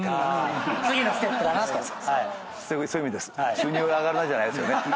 収入が上がるなじゃないですよね。